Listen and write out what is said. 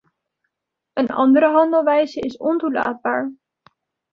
Een andere handelwijze is ontoelaatbaar.